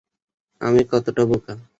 আমি কতটা বোকা!